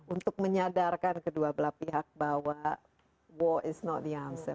untuk menyadarkan kedua belah pihak bahwa war is not the answer